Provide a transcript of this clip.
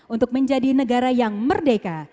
untuk menjadi negara yang merdeka